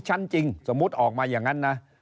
ชั้นจริงสมมุติออกมาอย่างนั้นนะ